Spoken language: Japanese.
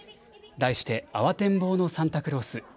題してあわてんぼうのサンタクロース。